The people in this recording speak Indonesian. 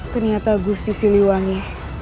ternyata gue sisi liwangi